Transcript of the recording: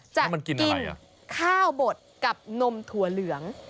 จะกินข้าวบดกับนมถั่วเหลือง